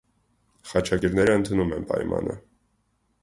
Խաչակիրները ընդունում են պայմանը։